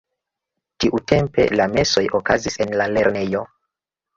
Tiutempe la mesoj okazis en la lernejo.